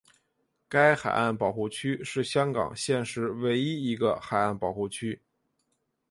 该海岸保护区是香港现时唯一一个海岸保护区。